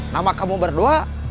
nama kamu berdua